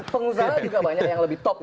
pengusaha juga banyak yang lebih top